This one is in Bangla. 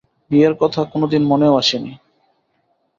বিয়ের কথা কোনোদিন মনেও আসে নি।